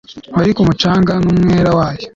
wari k'umucanga n'umwera wayo